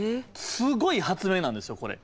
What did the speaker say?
すごい発明なんですよこれ。